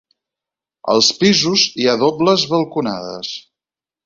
Als pisos hi ha dobles balconades.